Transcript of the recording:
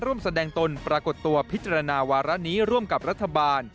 ร่วมแสดงตนปรากฏตัวพิจารณาวาระนี้ร่วมกับรัฐบาล